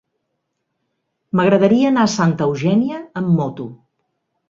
M'agradaria anar a Santa Eugènia amb moto.